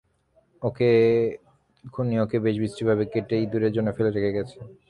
খুনি ওকে বেশ বিশ্রীভাবে কেটে ইঁদুরের জন্য ফেলে রেখে গেছে।